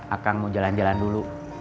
akan mau jalan jalan dulu